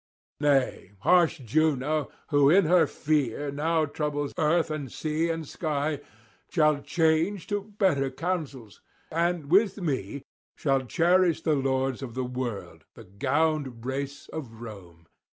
Nay, harsh Juno, who in her fear now troubles earth and sea and sky, shall change to better counsels, and with me shall cherish the lords of the world, the gowned race of Rome.